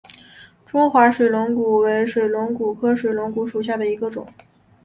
中华水龙骨为水龙骨科水龙骨属下的一个种。